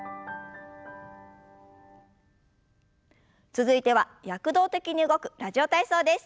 続いては躍動的に動く「ラジオ体操」です。